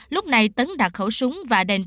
lúc này tấn đặt khẩu súng và đèn kéo